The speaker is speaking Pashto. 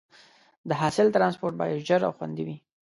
د حاصل ټرانسپورټ باید ژر او خوندي وي.